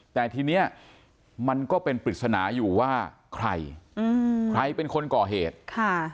แต่ทีเนี้ยมันก็เป็นปริศนาอยู่ว่าใครอืมใครใครเป็นคนก่อเหตุค่ะ